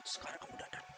sekarang kamu datang